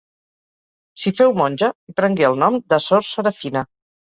S'hi féu monja i prengué el nom de Sor Serafina.